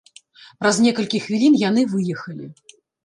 Праз некалькі хвілін яны выехалі.